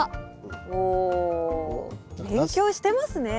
お勉強してますね。